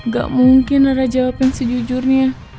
gak mungkin rara jawabin sejujurnya